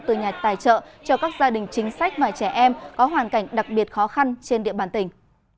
từ nhà tài trợ cho các gia đình chính sách và trẻ em có hoàn cảnh đặc biệt khó khăn trên địa bàn tỉnh